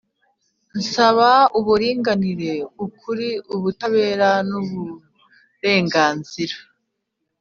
nsaba uburinganire, ukuri, ubutabera n'uburenganzira